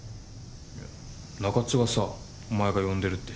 いや中津がさお前が呼んでるって。